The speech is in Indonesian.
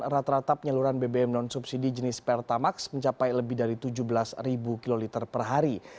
rata rata penyaluran bbm non subsidi jenis pertamax mencapai lebih dari tujuh belas kiloliter per hari